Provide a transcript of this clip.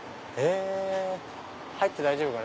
入って大丈夫かな？